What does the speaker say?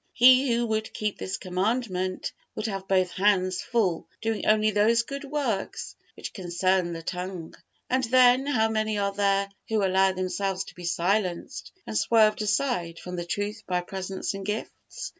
He who would keep this Commandment, would have both hands full doing only those good works which concern the tongue. And then, how many are there who allow themselves to be silenced and swerved aside from the truth by presents and gifts!